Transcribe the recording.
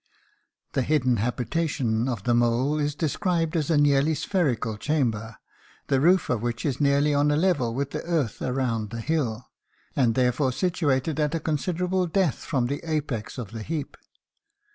'" The hidden habitation of the mole is described as a nearly spherical chamber, the roof of which is nearly on a level with the earth around the hill, and therefore situated at a considerable depth from the apex of the heap.